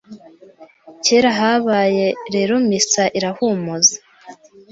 Kera kabaye rero misa irahumuza,